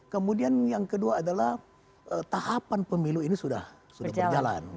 kemudian yang kedua adalah tahapan pemilu ini sudah berjalan